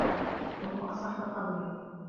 وَهُوَ أَصَحُّ الْقَوْلَيْنِ